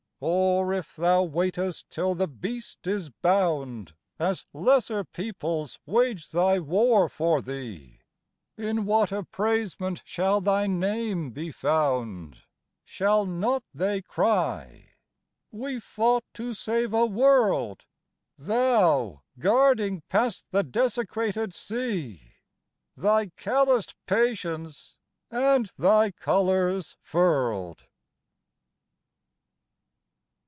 Or if thou waitest till the Beast is bound, As lesser peoples wage thy war for thee, In what appraisement shall thy name be found? Shall not they cry : "We fought to save a world, Thou guarding past the desecrated sea Thy calloused patience and thy colors furled!"